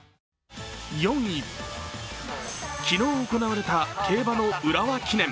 ４位、昨日行われた競馬の浦和記念。